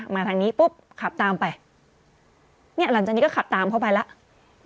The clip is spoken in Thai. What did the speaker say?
ทางนี้ปุ๊บขับตามไปเนี่ยหลังจากนี้ก็ขับตามเข้าไปแล้ว